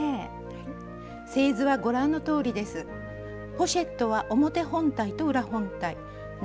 ポシェットは表本体と裏本体長